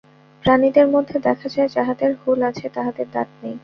প্রাণীদের মধ্যে দেখা যায়, যাহাদের হুল আছে তাহাদের দাঁত নাই।